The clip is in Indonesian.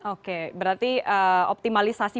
oke berarti optimalisasi